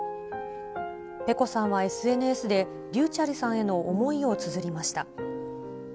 ペコさんはＳＮＳでｒｙｕｃｈｅｌｌさんへの思いをつづりました。